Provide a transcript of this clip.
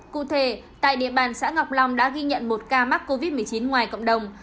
cụ thể tại địa bàn xã ngọc long đã ghi nhận một ca mắc covid một mươi chín ngoài cộng đồng